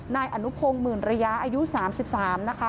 นายอนุพงศ์หมื่นระยะอายุ๓๓นะคะ